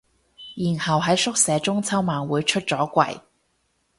然後喺宿舍中秋晚會出咗櫃